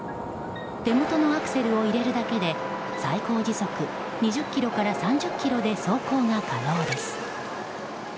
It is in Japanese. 手元のアクセルを入れるだけで最高時速２０キロから３０キロで走行が可能です。